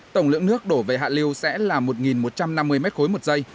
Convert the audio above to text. tổng lượng nước đổ về hạ lưu sẽ là một một trăm năm mươi m khối một dây